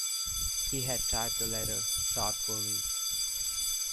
He had typed the letter thoughtfully.